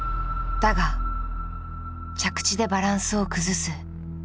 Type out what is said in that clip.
だが着地でバランスを崩す。